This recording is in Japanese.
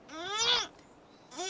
うん。